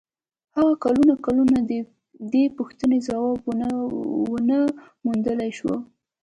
هغه کلونه کلونه د دې پوښتنې ځواب و نه موندلای شو.